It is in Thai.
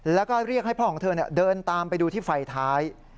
แล้วก็เรียกให้พ่อของเธอเดินตามไปดูที่ไฟท้าย